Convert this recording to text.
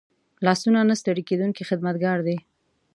لاسونه نه ستړي کېدونکي خدمتګار دي